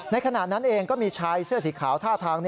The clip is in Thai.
ขณะนั้นเองก็มีชายเสื้อสีขาวท่าทาง